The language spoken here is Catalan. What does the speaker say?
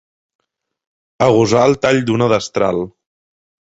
Agusar el tall d'una destral.